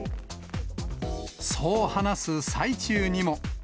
そう話す最中にも。